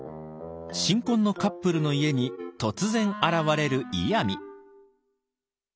新婚のカップルの家に突然現れるイヤミ。